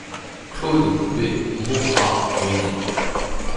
Claude Goubet mourra ruiné.